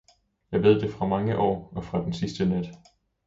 Jeg ved det fra mange år og fra den sidste nat.